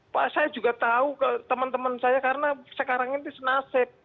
pak saya juga tahu ke teman teman saya karena sekarang ini senasib